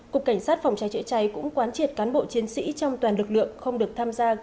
cục cảnh sát phòng cháy chữa cháy cũng quán triệt cán bộ chiến sĩ trong toàn lực lượng